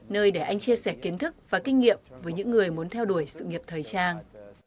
nơi để anh chia sẻ kiến thức và kinh nghiệm với những người muốn theo đuổi sự nghiệp thời trang